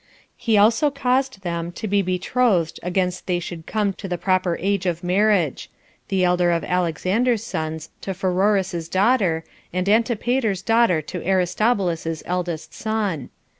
He also caused them to be betrothed against they should come to the proper age of marriage; the elder of Alexander's sons to Pheroras's daughter, and Antipater's daughter to Aristobulus's eldest son.